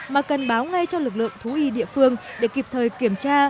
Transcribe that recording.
mà cần báo ngay cho lực lượng thú y địa phương để kịp thời kiểm tra